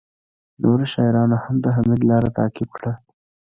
نورو شاعرانو هم د حمید لاره تعقیب کړه